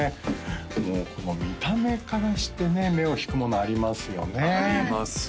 もうこの見た目からしてね目を引くものありますよねあります